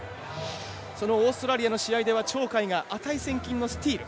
そのオーストラリアの試合では鳥海が値千金のスチール。